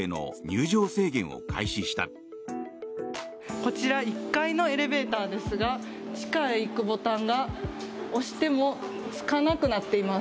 こちら１階のエレベーターですが地下へ行くボタンが押してもつかなくなっています。